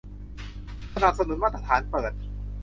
สนับสนุนมาตรฐานเปิด